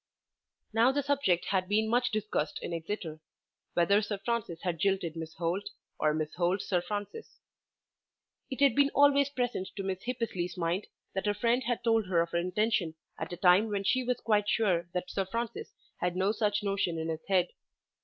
Now the subject had been much discussed in Exeter whether Sir Francis had jilted Miss Holt or Miss Holt Sir Francis. It had been always present to Miss Hippesley's mind, that her friend had told her of her intention at a time when she was quite sure that Sir Francis had no such notion in his head.